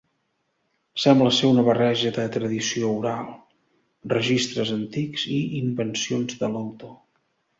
Sembla ser una barreja de tradició oral, registres antics i invencions de l'autor.